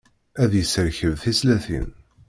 Ad yesserkeb tislatin.